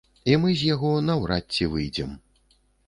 І мы з яго наўрад ці выйдзем.